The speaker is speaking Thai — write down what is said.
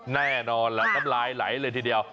แน่นอนล่ะน้ำลายไหลเลยทีเดียว